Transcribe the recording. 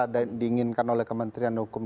dan diinginkan oleh kementerian hukum